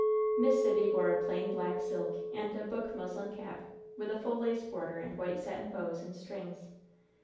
Miss Sibby wore a plain black silk and a book muslin cap, with a full lace border and white satin bows and strings.